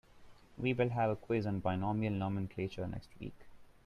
We will have a quiz on binomial nomenclature next week.